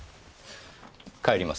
帰ります。